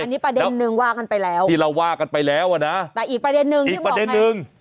อันนี้ประเด็นนึงว่ากันไปแล้วที่เราว่ากันไปแล้วอ่ะนะแต่อีกประเด็นนึงอีกประเด็นนึง